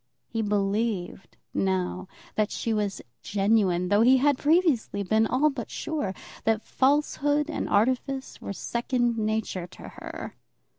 He believed, now, that she was genuine; though he had previously been all but sure that falsehood and artifice were second nature to her.